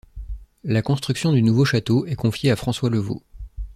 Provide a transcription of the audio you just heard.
La construction du nouveau château est confiée à François Le Vau.